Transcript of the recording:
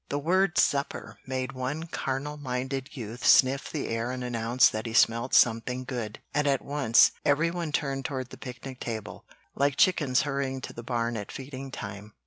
The word "supper" made one carnal minded youth sniff the air and announce that he smelt "something good;" and at once every one turned toward the picnic ground, like chickens hurrying to the barn at feeding time.